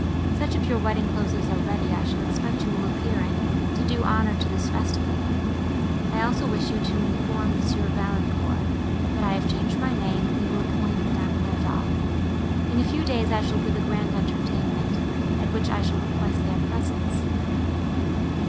Such of your wedding clothes as are ready I shall expect you will appear in, to do honour to this festival. I also wish you to inform Monsieur Valancourt, that I have changed my name, and he will acquaint Madame Clairval. In a few days I shall give a grand entertainment, at which I shall request their presence."